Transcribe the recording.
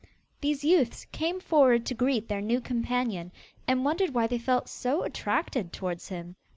These youths came forward to greet their new companion, and wondered why they felt so attracted towards him.